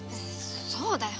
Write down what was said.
そうだよ。